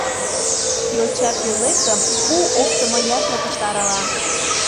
Йоча пӧлекым пу оптымо яшлыкыште арала.